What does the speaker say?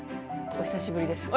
お久しぶりです。